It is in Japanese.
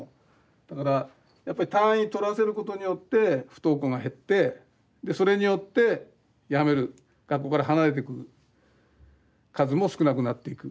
だからやっぱり単位取らせることによって不登校が減ってでそれによってやめる学校から離れてく数も少なくなっていく。